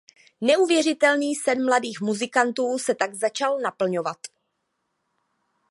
Neuvěřitelný sen mladých muzikantů se tak začal naplňovat.